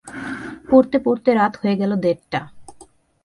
পড়তে পড়তে রাত হয়ে গেল দেড়টা।